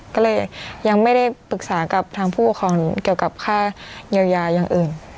ก็เลยยังไม่ได้ปรึกษากับทางผู้ปกครองเกี่ยวกับค่าเยียวยาอย่างอื่น